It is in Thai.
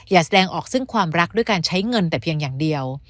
แสดงออกซึ่งความรักด้วยการใช้เงินแต่เพียงอย่างเดียว